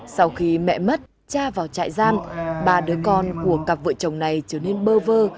sau khi mẹ mất cha vào trại giam ba đứa con của cặp vợ chồng này trở nên bơ vơ